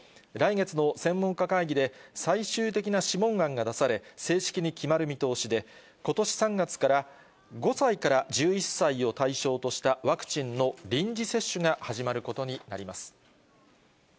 来月の専門家会議で、最終的な諮問案が出され、正式に決まる見通しで、ことし３月から５歳から１１歳を対象としたワクチンの臨時接種が始まることになります。